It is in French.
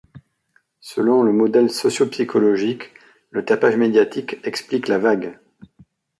Selon le modèle sociopsychologique, le tapage médiatique explique la vague.